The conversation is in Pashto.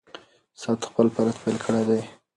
ساعت خپل فعالیت پیل کړی دی.